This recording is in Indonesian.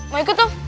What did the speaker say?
mau ikut dong